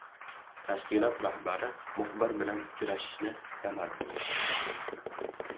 Tashkilot rahbari muxbir bilan uchrashishni istamadi.